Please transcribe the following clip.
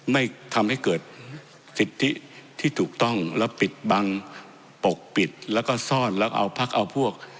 ไม่ทำให้เกิดสิทธิที่ถูกต้องแล้วปิดบังปกปิดแล้วก็ซ่อนแล้วเอาพักเอาพวก